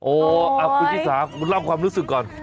โอ้ยอะขุมพี่สาทเล่าความรู้สึกก่อน